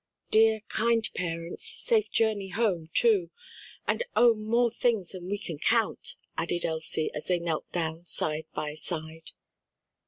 "Dear kind parents, safe journey home, too, and oh more things than we can count," added Elsie, as they knelt down side by side.